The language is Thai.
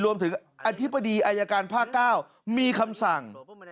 อธิบดีอายการภาค๙มีคำสั่ง